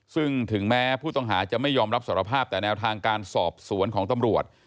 ซึ่งถึงแม้ผู้ต้องหาจะไม่ยอมรับสารภาพแต่แนวทางการสอบสวนของตำรวจ